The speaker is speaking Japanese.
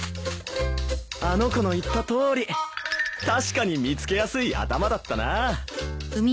あの子の言ったとおり確かに見つけやすい頭だったな。